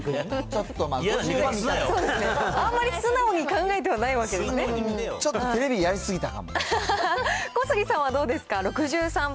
あんまり素直に考えてはないちょっとテレビ、やりすぎた小杉さんはどうですか？